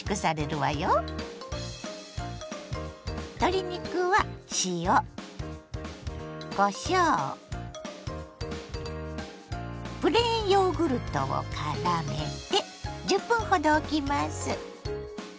鶏肉は塩こしょうプレーンヨーグルトをからめて１０分ほどおきます。